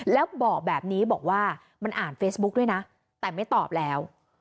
แล้วบอกแบบนี้บอกว่ามันอ่านเฟซบุ๊กด้วยนะแต่ไม่ตอบแล้ว